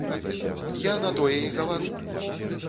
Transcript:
Я на тое і гавару.